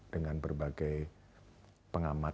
dengan berbagai pengamat